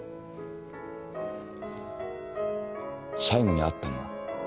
最後に会ったのは？